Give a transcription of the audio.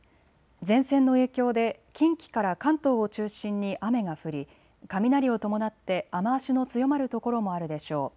前線の影響で近畿から関東を中心に雨が降り雷を伴って雨足の強まる所もあるでしょう。